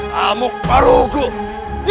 kamu perlu berhubung